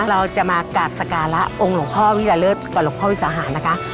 เราจะมากราบสการะองค์หลวงพ่อวิราเลิศกับหลวงพ่อวิสาหารนะคะ